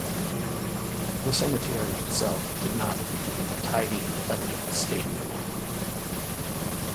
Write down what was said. The cemetery itself did not remain in a tidy and elegant state for long.